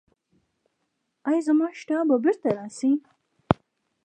ایا زما اشتها به بیرته راشي؟